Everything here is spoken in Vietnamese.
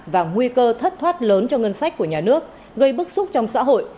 và nguy cơ thất thoát lớn cho ngân sách của nhà nước gây bức xúc trong xã hội